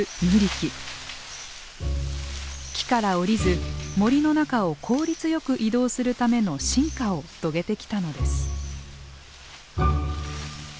木から下りず森の中を効率よく移動するための進化を遂げてきたのです。